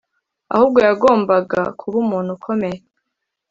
ahubwo yagombaga kuba umuntu ukomeye,